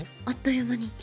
あっという間に。